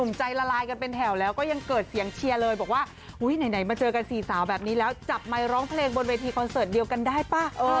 มาเจอกันสี่สาวแบบนี้แล้วจับไมค์ร้องเพลงบนเวทีคอนเสิร์ตเดียวกันได้ป่ะ